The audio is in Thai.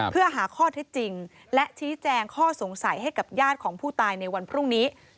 เพื่อหาข้อเท็จจริงและชี้แจงข้อสงสัยให้กับญาติของผู้ตายในวันพรุ่งนี้